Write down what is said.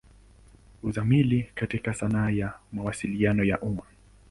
Uzamili katika sanaa ya Mawasiliano ya umma.